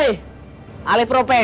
gue mau buka motornya